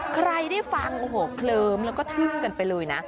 ใครได้ฟังเกลิมก็ทู่นกันไปเลยนะ